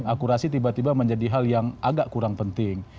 akurasi tiba tiba menjadi hal yang agak kurang penting